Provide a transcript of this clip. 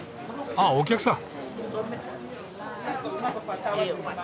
あお客さん。